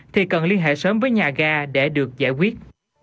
thì cần liên hệ sớm với nhà ga để được giải quyết